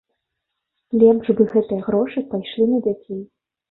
Лепш бы гэтыя грошы пайшлі на дзяцей.